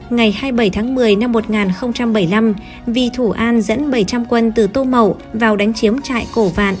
ngày hai mươi bảy tháng một mươi năm một nghìn bảy mươi năm vì thủ an dẫn bảy trăm linh quân từ tô mậu vào đánh chiếm trại cổ vạn